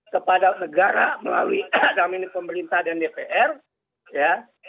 kepada negara melalui dominik pemerintah dan dpr ya